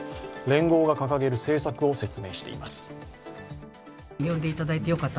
連合が掲げる政策を説明しています。